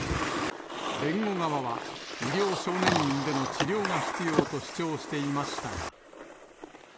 弁護側は、医療少年院での治療が必要と主張していましたが。